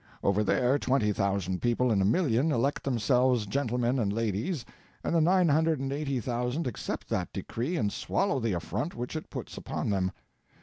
Over there, twenty thousand people in a million elect themselves gentlemen and ladies, and the nine hundred and eighty thousand accept that decree and swallow the affront which it puts upon them.